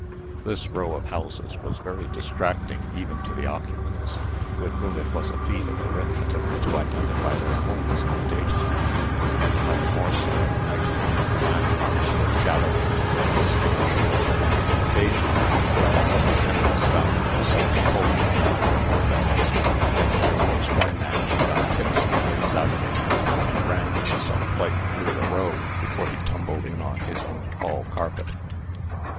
This row of houses was very distracting even to the occupants, with whom it was a feat of arithmetic to identify their homes in the daytime, and much more so at night, when the landmarks were shadowy and indistinguishable. Occasionally, well meaning tenants found themselves pulling at wrong doorbells; and there was one man who got tipsy every Saturday night, and rang himself quite through the row before he tumbled in on his own hall carpet.